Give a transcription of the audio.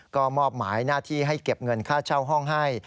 ก็มอบหมายหน้าที่ให้เก็บเงินค่าเช่าห้องให้